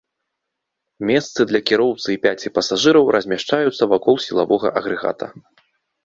Месцы для кіроўцы і пяці пасажыраў размяшчаюцца вакол сілавога агрэгата.